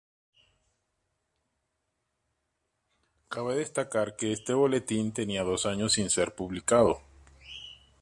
Cabe destacar que este Boletín tenía dos años sin ser publicado.